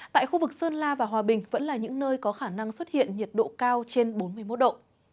tại khu vực sơn la và hòa bình vẫn là những nơi có khả năng xuất hiện nhiệt độ cao trên bốn mươi một độ